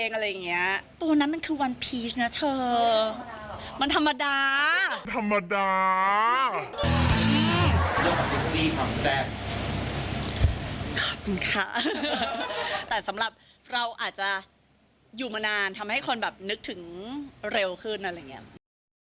แต่สำหรับเราอาจจะอยู่มานานทำให้คนแบบนึกถึงเร็วขึ้นอะไรอย่างนี้